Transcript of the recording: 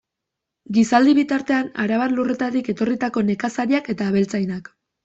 Gizaldi bitartean, arabar lurretatik etorritako nekazariak eta abeltzainak.